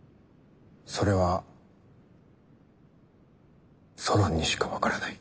それはソロンにしか分からない。